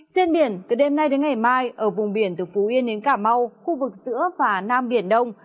trên biển từ đêm nay đến ngày mai ở vùng biển từ phú yên đến cà mau khu vực giữa và nam biển đông